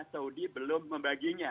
saudi belum membaginya